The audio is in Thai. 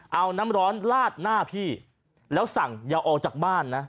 เอาน้ำร้อนลาดหน้าพี่แล้วสั่งอย่าออกจากบ้านนะ